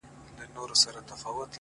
بيا يوازيتوب دی بيا هغه راغلې نه ده ـ